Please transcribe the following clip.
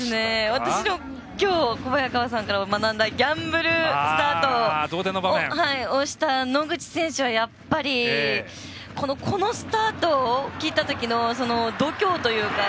私、きょう小早川さんから学んだギャンブルスタートをした野口選手はこのスタート切ったときの度胸というか。